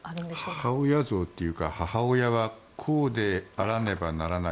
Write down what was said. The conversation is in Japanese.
母親像というか、母親はこうであらなければならない。